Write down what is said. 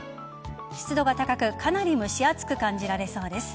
湿度が高くかなり蒸し暑く感じられそうです。